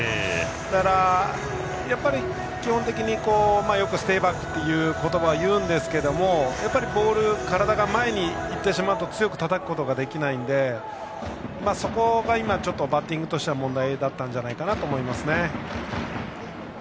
だから基本的によくステイバックという言葉をいうんですが体が前に行くとボールを強くたたけないのでそこが今、バッティングとしては問題だったんじゃないかと思いますね。